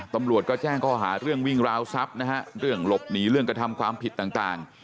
ตำรวจก็แจ้งข้อหาเรื่องวิ่งราวทรัพย์นะฮะเรื่องหลบหนีเรื่องกระทำความผิดต่าง